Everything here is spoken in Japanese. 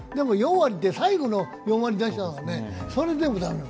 でも、最後の４割打者は、それでも駄目なの。